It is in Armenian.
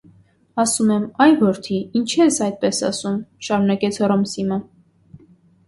- Ասում եմ` ա՛յ որդի, ինչի՞ ես այդպես անում,- շարունակեց Հոռոմսիմը: